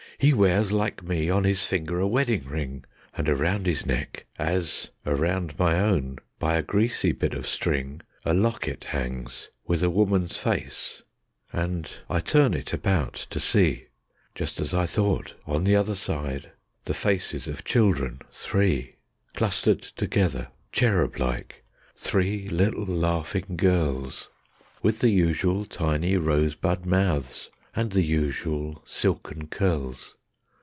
He wears, like me, on his finger a wedding ring, And around his neck, as around my own, by a greasy bit of string, A locket hangs with a woman's face, and I turn it about to see: Just as I thought ... on the other side the faces of children three; Clustered together cherub like, three little laughing girls, With the usual tiny rosebud mouths and the usual silken curls.